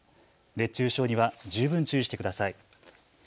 熱中症には十分注意してください。